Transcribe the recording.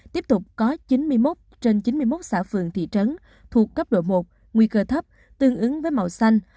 tiếp tục có chín mươi một trên chín mươi một xã phường thị trấn thuộc cấp độ một nguy cơ thấp tương ứng với màu xanh